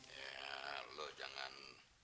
ya lu jangan